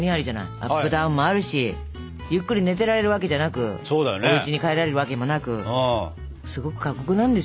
アップダウンもあるしゆっくり寝てられるわけじゃなくおうちに帰られるわけもなくすごく過酷なんですよ。